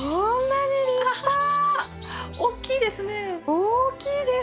大きいです！